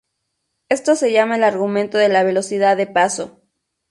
Esto se llama el argumento de la velocidad de paso.